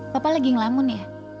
papa lagi ngelamun ya